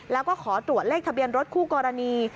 แล้วก็ขอตรวจเลขทะเบียนรถคู่กรณี